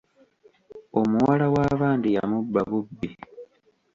Omuwala wa bandi yamubba bubbi.